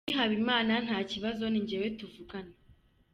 Me Habimana “Nta kibazo, ni njyewe tuvugana,….